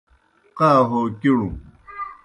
قا ہو کِݨوْ